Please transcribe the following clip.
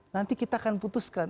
nanti kita akan putuskan